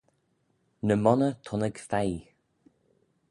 Ny monney thunnag feie.